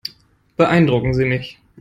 Beeindrucken Sie mich.